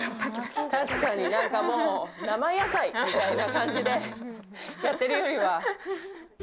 確かに何かもう生野菜という感じでやってるよりは。